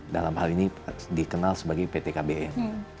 dalam hal ini dikenal sebagai pt kbm